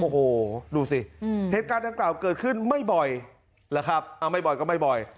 โหดูสิเทศกาลนั้นเปล่าเกิดขึ้นไม่บ่อย